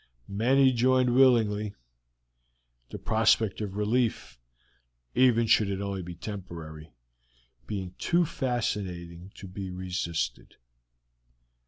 Many joined willingly, the prospect of relief, even should it only be temporary, being too fascinating to be resisted.